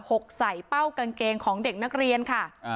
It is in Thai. กใส่เป้ากางเกงของเด็กนักเรียนค่ะ